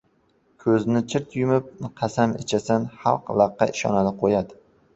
Ko‘zni chirt yumib qasam ichasan, xalq laqqa ishonadi-qo‘yadi!